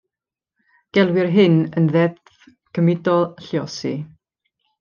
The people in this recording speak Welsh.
Gelwir hyn yn ddeddf gymudol lluosi.